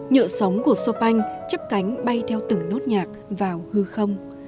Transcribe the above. nhựa sống của chopin chấp cánh bay theo từng nốt nhạc vào hư không